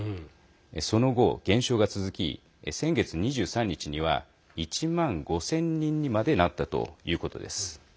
その後、減少が続き先月２３日には１万５０００人にまでなったということです。